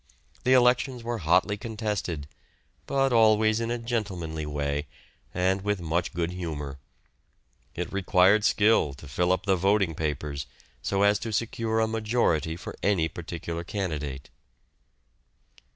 The elections were hotly contested, but always in a gentlemanly way, and with much good humour. It required skill to fill up the voting papers so as to secure a majority for any particular candidate.